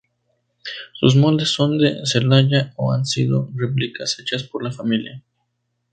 Sus moldes son de Celaya o han sido replicas hechas por la familia.